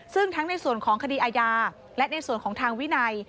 ซึ่งทั้งในส่วนของคดีอาญาและในส่วนของทางวินัย